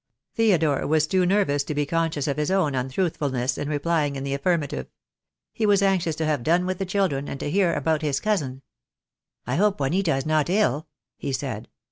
Theodore was too nervous to be conscious of his own untruthfulness in replying in the affirmative. He was anxious to have done with the children, and to hear about his cousin. "I hope Juanita is not ill?" he said.